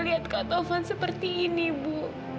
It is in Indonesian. lihat kak taufan seperti ini bu